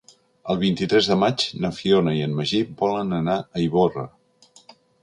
El vint-i-tres de maig na Fiona i en Magí volen anar a Ivorra.